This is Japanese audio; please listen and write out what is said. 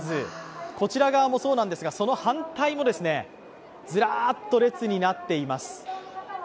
こちら側もそうですが、その反対もズラーっと列になっています。